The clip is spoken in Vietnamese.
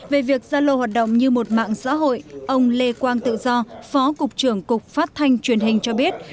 về việc zalo hoạt động như một mạng xã hội ông lê quang tự do phó cục trưởng cục phát thanh truyền hình cho biết